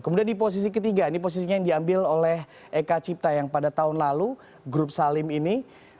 kemudian di posisi ketiga ini posisinya yang diambil oleh eka cipta yang pada tahun lalu grup salim ini